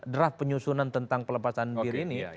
draft penyusunan tentang pelepasan diri ini